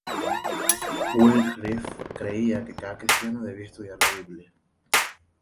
Wycliffe creía que cada cristiano debía estudiar la Biblia.